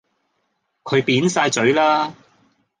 佢扁曬嘴啦